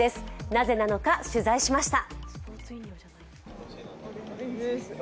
なぜなのか、取材しました。